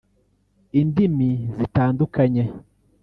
indimi zitandukanye